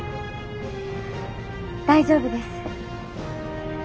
大丈夫です。